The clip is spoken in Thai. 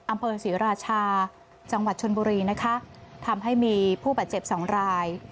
อำเภอศรีราชาจังหวัดชนบุรีนะคะทำให้มีผู้บาดเจ็บสองราย